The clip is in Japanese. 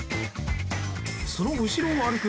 その後ろを歩く